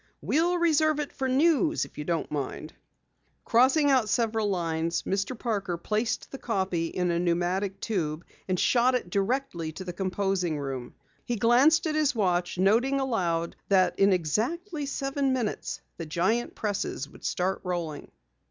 We'll reserve it for news if you don't mind." Crossing out several lines, Mr. Parker placed the copy in a pneumatic tube, and shot it directly to the composing room. He glanced at his watch, noting aloud that in exactly seven minutes the giant presses would start rolling.